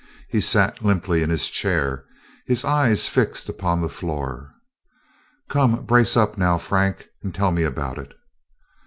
He sat limply in his chair, his eyes fixed upon the floor. "Come, brace up now, Frank, and tell me about it."